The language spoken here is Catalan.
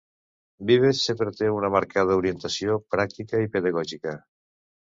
Vives sempre té una marcada orientació pràctica i pedagògica.